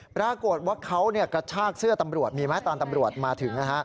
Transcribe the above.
ปรากฏว่าเขากระชากเสื้อตำรวจมีไหมตอนตำรวจมาถึง